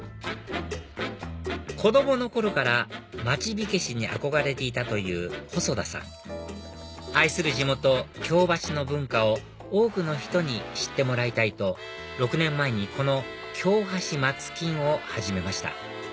子供の頃から町火消しに憧れていたという細田さん愛する地元京橋の文化を多くの人に知ってもらいたいと６年前にこの京はし満津金を始めました